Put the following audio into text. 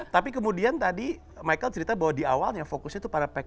tapi kemudian tadi michael cerita bahwa di awalnya fokusnya tuh ke rumah